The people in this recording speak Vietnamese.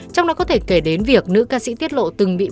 trong đó có thể kể đến việc nữ ca sĩ tiết lộ từng bị